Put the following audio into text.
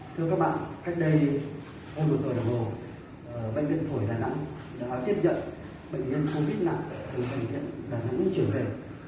thưa các bạn cách đây hôm một giờ đồng hồ bệnh viện thổi đà nẵng đã tiếp nhận bệnh nhân covid nặng từ bệnh viện đà nẵng trường hệ